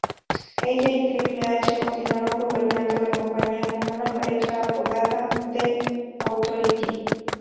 Ella y Triple H continuaron gobernando la compañía como una pareja apodada The Authority.